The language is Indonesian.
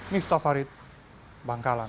miftah farid bang kalang